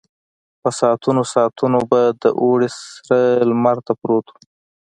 په ساعتونو ساعتونو به د اوړي سره لمر ته پروت و.